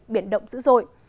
biển động dữ dội